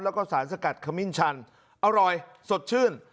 แล้วก็สารสกัดขมิ้นชันอร่อยสดชื่น